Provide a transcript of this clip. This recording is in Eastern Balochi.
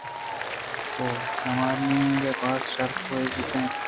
ءُرُمائینگ ءَ باز شرف ءُ عزّت دات